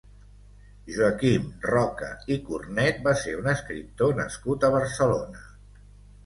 Joaquim Roca i Cornet va ser un escriptor nascut a Barcelona.